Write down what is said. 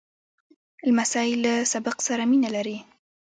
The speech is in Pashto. لمسی له سبق سره مینه لري.